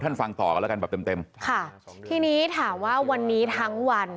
ท่านฟังต่อแล้วกันแบบเต็มค่ะทีนี้ถามว่าวันนี้ทั้งวัน